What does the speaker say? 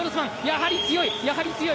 やはり強い。